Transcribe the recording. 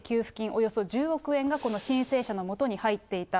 およそ１０億円がこの申請者のもとに入っていた。